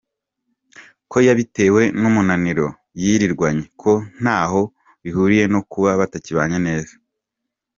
com ko yabitewe n’umunaniro yirirwanye, ko ntaho bihuriye no kuba batakibanye neza.